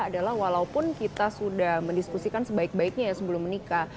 adalah walaupun kita sudah mendiskusikan sebaik baiknya ya sebelum menikah